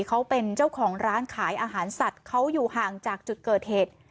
เขาเป็นเจ้าของร้านขายอาหารสัตว์เขาอยู่ห่างจากจุดเกิดเหตุ